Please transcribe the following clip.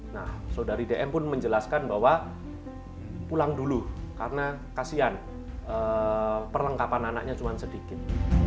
nah saudari dm pun menjelaskan bahwa pulang dulu karena kasihan perlengkapan anaknya cuma sedikit